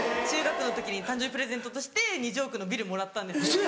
中学の時に誕生日プレゼントとして２０億のビルもらったんですよ。